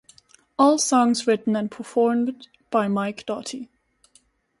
All songs written and performed by Mike Doughty.